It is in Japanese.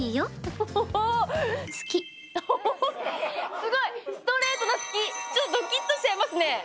すごい、ストレートな好き、ちょっとドキッとしちゃいますね。